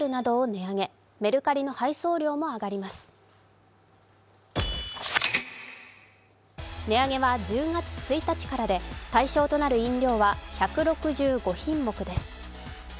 値上げは１０月１日からで対象となる飲料は１６５品目です。